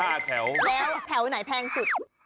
แถวแล้วแถวไหนแพงสุด